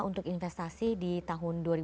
untuk investasi di tahun dua ribu dua puluh